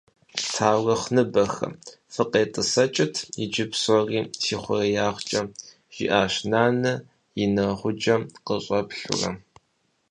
«Таурыхъныбэхэ, фӏыкъетӏысӏэкӏыт иджы псори си хъуреягъкӏэ»,- жиӏащ нэнэ и нэгъуджэм къыщӏэплъурэ.